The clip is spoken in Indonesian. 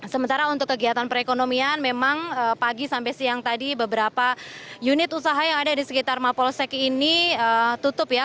sementara untuk kegiatan perekonomian memang pagi sampai siang tadi beberapa unit usaha yang ada di sekitar mapolsek ini tutup ya